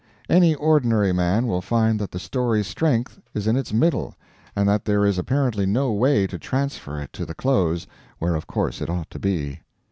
Any ordinary man will find that the story's strength is in its middle, and that there is apparently no way to transfer it to the close, where of course it ought to be.